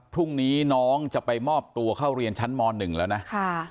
พรุ่งนี้น้องจะไปมอบตัวเข้าเรียนชั้นม๑แล้วนะ